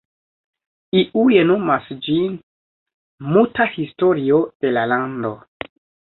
Iuj nomas ĝin: ""Muta historio de la lando"".